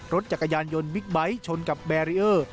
รถจักรยานยนต์บิ๊กไบท์ชนกับแบรีเออร์